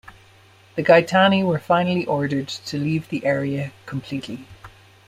The Gaetani were finally ordered to leave the area completely.